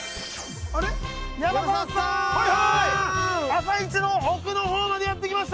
朝市の奥の方までやって来ました。